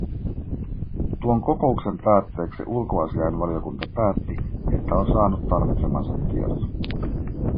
Tuon kokouksen päätteeksi ulkoasiainvaliokunta päätti, että on saanut tarvitsemansa tiedot.